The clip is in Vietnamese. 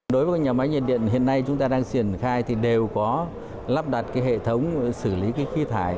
đối với nhà máy nhiệt điện hiện nay chúng ta đang triển khai thì đều có lắp đặt hệ thống xử lý khí thải